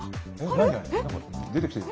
なんか出てきてる。